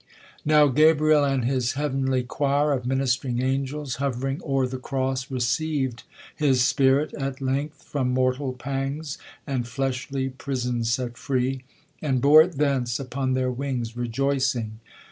Now Gabriel and his heavenly choir Of minist'ring angels hov'ring o'er the cross Receiv'd his spirit, at length from mortal pangs yVnd fleshly pris'n set free, and bore it thence Upon their wings rejoicing.